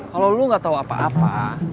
kalau lo gak tau apa apa